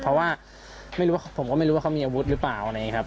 เพราะว่าผมก็ไม่รู้ว่าเขามีอาวุธหรือเปล่า